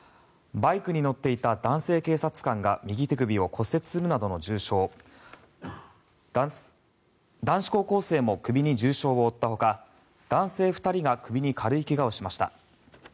バイクに乗っていた男性警察官が右手首を骨折するなどの重傷男子高校生も首に重傷を負ったほか男性２人が首に軽い怪我をしました。